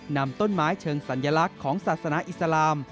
นำต้นไม้เชิงสัญลักษณ์ของศาสนาอิสลาม